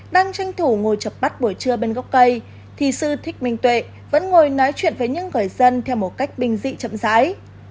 đang tranh thủ ngồi chập bắt buổi trưa bên gốc cây thì sư thích minh tuệ vẫn ngồi nói chuyện với những người dân theo một cách bình dị chậm rãi